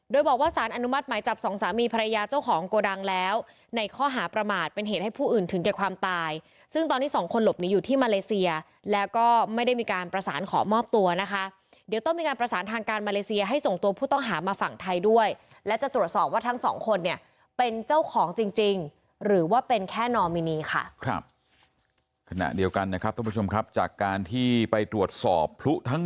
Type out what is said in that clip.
โดยบอกว่าสารอนุมัติหมายจับสองสามีภรรยาเจ้าของโกดังแล้วในข้อหาประมาทเป็นเหตุให้ผู้อื่นถึงแก่ความตายซึ่งตอนนี้สองคนหลบหนีอยู่ที่มาเลเซียแล้วก็ไม่ได้มีการประสานขอมอบตัวนะคะเดี๋ยวต้องมีการประสานทางการมาเลเซียให้ส่งตัวผู้ต้องหามาฝั่งไทยด้วยและจะตรวจสอบว่าทั้งสองคนเนี่ยเป็นเจ้าของจริง